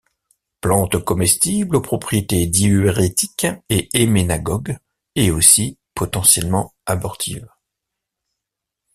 Plante comestible aux propriétés diurétiques et emménagogue, et aussi potentiellement abortives.